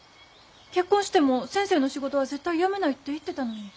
結婚しても先生の仕事は絶対辞めないって言ってたのに。